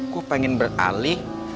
gue pengen beralih